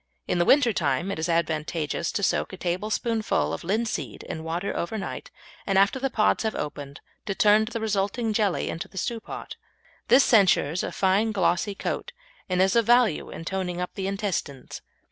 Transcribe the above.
In the winter time it is advantageous to soak a tablespoonful of linseed in water overnight, and after the pods have opened to turn the resulting jelly into the stew pot. This ensures a fine glossy coat, and is of value in toning up the intestines.